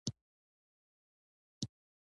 دا شبکه کارونو ته پلان جوړوي.